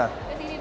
ke sini dulu